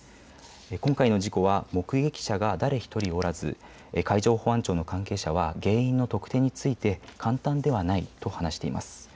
今回の事故は目撃者が誰一人おらず、海上保安庁の関係者は原因の特定について簡単ではないと話しています。